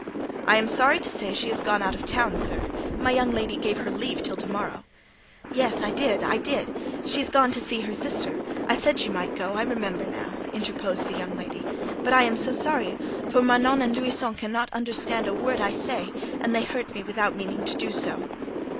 "I am sorry to say she is gone out of town, sir; my young lady gave her leave till to morrow." "Yes—I did—I did. She is gone to see her sister; I said she might go: I remember now," interposed the young lady; "but I am so sorry, for Manon and Louison cannot understand a word I say, and they hurt me without meaning to do so."